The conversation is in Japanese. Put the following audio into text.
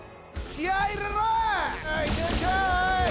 気合い入れろ！